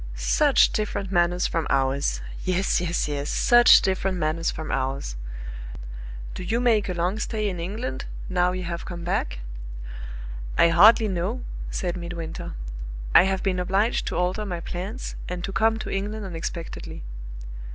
Such different manners from ours yes, yes, yes such different manners from ours! Do you make a long stay in England, now you have come back?" "I hardly know," said Midwinter. "I have been obliged to alter my plans, and to come to England unexpectedly."